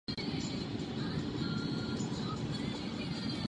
Občanským povoláním byl úředníkem císařské politické správy při Zemském úřadě v Praze.